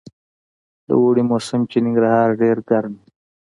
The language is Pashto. د اوړي موسم کي ننګرهار ډير ګرم وي